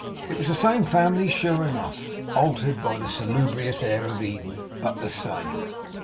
It was the same family, sure enough. Altered by the salubrious air of Eden. But the same.